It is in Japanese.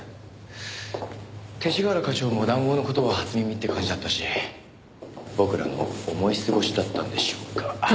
勅使河原課長も談合の事は初耳って感じだったし僕らの思い過ごしだったんでしょうか？